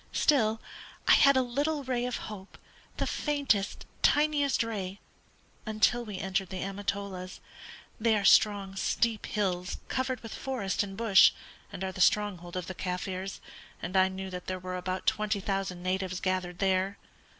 Still, I had a little ray of hope, the faintest, tiniest ray, until we entered the Amatolas they are strong steep hills covered with forest and bush, and are the stronghold of the Kaffirs, and I knew that there were about twenty thousand natives gathered there.